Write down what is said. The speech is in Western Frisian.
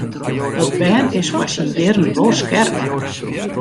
Dat bern is foar syn jierren wol skerp.